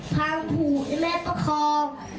พรางผูท์ในแม่ประคอง